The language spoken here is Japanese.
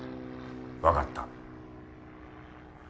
分かった。